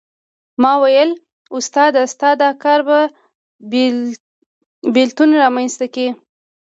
ما وویل استاده ستا دا کار به بېلتون رامېنځته کړي.